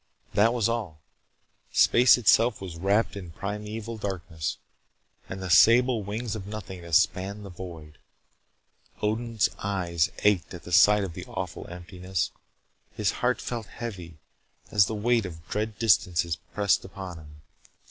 That was all. Space itself was wrapped in primeval darkness. And the sable wings of nothingness spanned the void. Odin's eyes ached at sight of the awful emptiness. His heart felt heavy as the weight of dread distances pressed upon him.